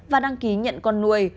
và đăng ký nhận con nuôi